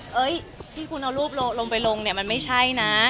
เฮ้ยที่คุณเอารูปลงไปลงเนี่ยมันไม่ใช่นะ